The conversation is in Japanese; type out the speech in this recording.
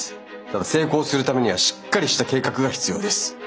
ただ成功するためにはしっかりした計画が必要です。